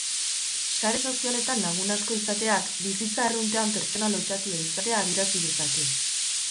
Sare sozialetan lagun asko izateak, bizitza arruntean pertsona lotsatia izatea adierazi dezake.